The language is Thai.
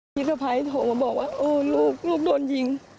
พิทธิพายโทรมาบอกว่าโอ้ลูกลูกโดนยิง